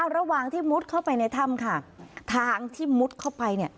ระหว่างที่มุดเข้าไปในท่ามทางที่มุดเข้าไป